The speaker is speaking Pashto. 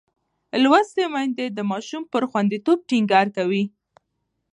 لوستې میندې د ماشوم پر خوندیتوب ټینګار کوي.